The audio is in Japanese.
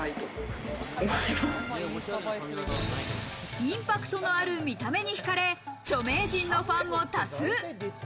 インパクトのある見た目にひかれ著名人のファンも多数。